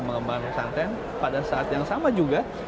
mengembangkan santren pada saat yang sama juga